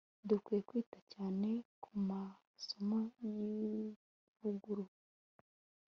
Dukwiriye kwita cyane ku masomo yivugurura